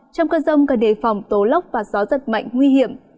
trong cơn rông cần đề phòng tố lốc và gió giật mạnh nguy hiểm